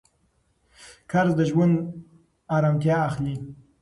قرض د ژوند ارامتیا اخلي.